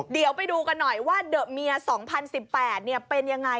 เดี๋ยวไปดูกันหน่อยว่าเดอะเมีย๒๐๑๘เป็นยังไง